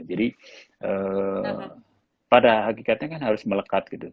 jadi pada hakikatnya kan harus melekat gitu